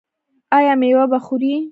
ایا میوه به خورئ؟